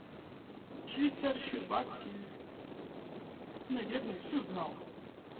Швейцар Щербацких, наверное, всё знал.